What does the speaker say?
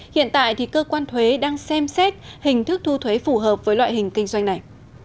hiện tại thì cơ quan thuế đang xem xét hình thức thu thuế phù hợp với loại hình kinh doanh này